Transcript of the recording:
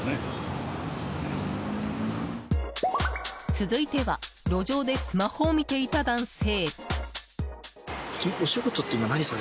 続いては路上でスマホを見ていた男性。